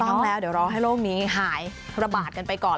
ต้องแล้วเดี๋ยวรอให้โลกนี้หายระบาดกันไปก่อน